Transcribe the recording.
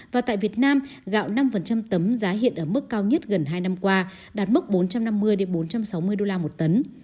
và tại việt nam gạo năm tấm giá hiện ở mức cao nhất gần hai năm qua đạt mức bốn trăm năm mươi bốn trăm sáu mươi đô la một tấn